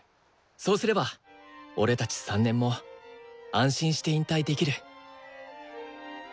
そうすれば俺たち３年も安心して引退できる。